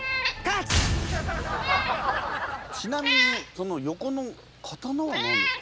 ちなみにその横の刀は何ですか？